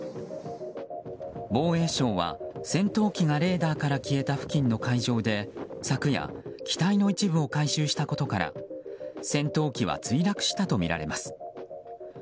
防衛省は、戦闘機がレーダーから消えた付近の海上で昨夜、機体の一部を回収したことから戦闘機は墜落したとみられます。